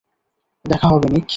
দেখা হবে, নিক।